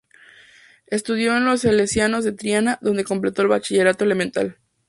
Estudió en los Salesianos de Triana, donde completó el bachillerato elemental.